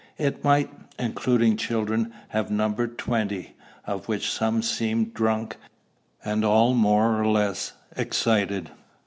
It might, including children, have numbered twenty, of which some seemed drunk, and all more or less excited.